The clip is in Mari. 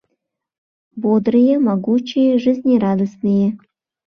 Бодрые, могучие, жизнерадостные.